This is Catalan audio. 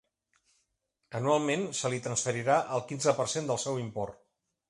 Anualment se li transferirà el quinze per cent del seu import.